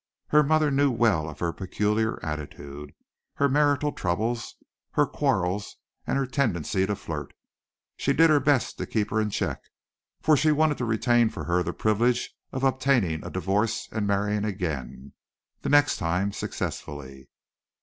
Her mother knew well of her peculiar attitude, her marital troubles, her quarrels and her tendency to flirt. She did her best to keep her in check, for she wanted to retain for her the privilege of obtaining a divorce and marrying again, the next time successfully.